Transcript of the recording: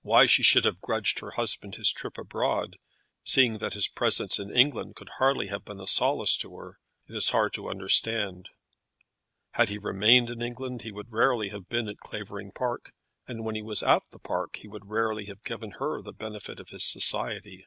Why she should have grudged her husband his trip abroad, seeing that his presence in England could hardly have been a solace to her, it is hard to understand. Had he remained in England, he would rarely have been at Clavering Park; and when he was at the Park he would rarely have given her the benefit of his society.